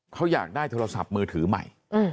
เขาอยากได้โทรศัพท์มือถือใหม่